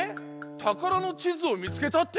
たからのちずをみつけたって？